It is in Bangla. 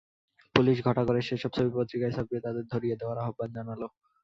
পুলিশ ঘটা করে সেসব ছবি পত্রিকায় ছাপিয়ে তাদের ধরিয়ে দেওয়ার আহ্বান জানাল।